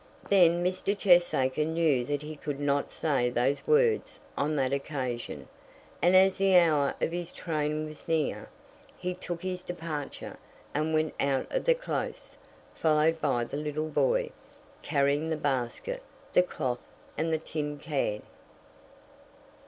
Then Mr. Cheesacre knew that he could not say those few words on that occasion; and as the hour of his train was near, he took his departure, and went out of the Close, followed by the little boy, carrying the basket, the cloth, and the tin can.